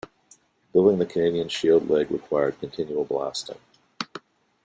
Building the Canadian Shield leg required continual blasting.